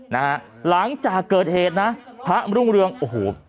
หลังจากเกิดเหตุนะพระรุ่งเรืองโอ้โห